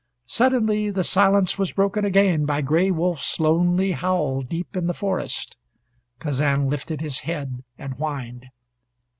Suddenly the silence was broken again by Gray Wolf's lonely howl deep in the forest. Kazan lifted his head and whined.